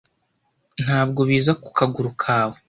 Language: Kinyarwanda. ntabwo biza ku kaguru kawe